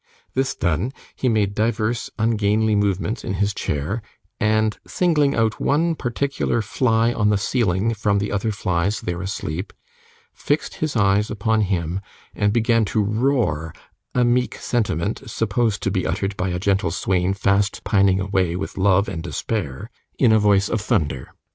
This done, he made divers ungainly movements in his chair, and singling out one particular fly on the ceiling from the other flies there asleep, fixed his eyes upon him, and began to roar a meek sentiment (supposed to be uttered by a gentle swain fast pining away with love and despair) in a voice of thunder.